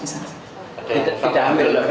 jadi tidak ambil